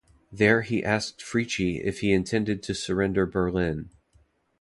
There he asked Fritzsche if he intended to surrender Berlin.